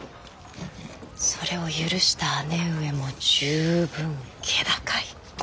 それを許した姉上も十分気高い。